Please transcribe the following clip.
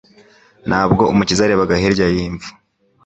Ntabwo Umukiza yarebaga hirya y'imva.